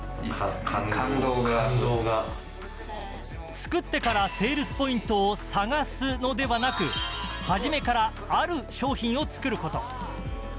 作ってからセールスポイントを探すのではなく初めからある商品を作ること。